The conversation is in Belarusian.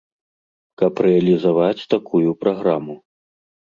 Каб рэалізаваць такую праграму.